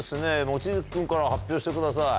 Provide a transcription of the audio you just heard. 望月君から発表してください。